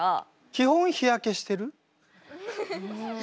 基本日焼けしてる？ん。